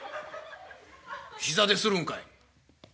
ひざでするんかい。